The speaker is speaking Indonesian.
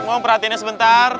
mohon perhatiannya sebentar